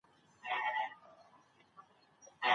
مثبت فکر د ژوند په هر پړاو کي مو لارښوونکی دی.